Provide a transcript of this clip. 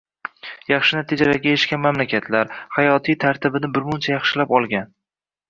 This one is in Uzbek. Yaxshi natijalarga erishgan mamlakatlar, hayotiy tartibini birmuncha yaxshilab olgan